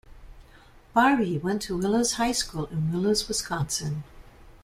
Barbie went to Willows High School in Willows, Wisconsin.